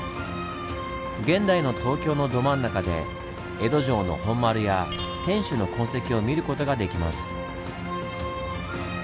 現代の東京のど真ん中で江戸城の本丸や天守の痕跡を見ることができます。